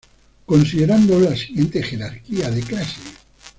Considerando la siguiente jerarquía de clase.